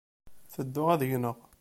Tedduɣ ad gneɣ.